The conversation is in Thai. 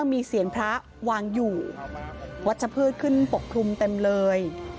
มีเสียงพระวางอยู่วัชพืชขึ้นปกคลุมเต็มเลย